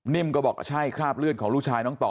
ก็บอกใช่คราบเลือดของลูกชายน้องต่อ